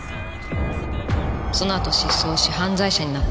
そのあと失踪し犯罪者になったクズ。